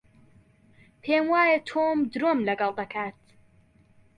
پێم وایە تۆم درۆم لەگەڵ دەکات.